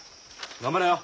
頑張れよ。